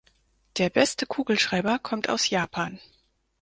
Der beste Kugelschreiber kommt aus Japan.